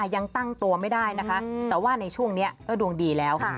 ยังตั้งตัวไม่ได้นะคะแต่ว่าในช่วงนี้ก็ดวงดีแล้ว